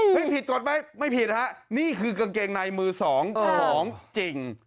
ซึ่งผิดกฎไหมไม่ผิดฮะนี่คือกางเกงในมือสองของจริง